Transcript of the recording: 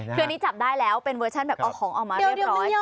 คืออันนี้จับได้แล้วเป็นเวอร์ชั่นแบบเอาของออกมาเรียบร้อย